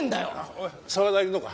おい澤田いるのか？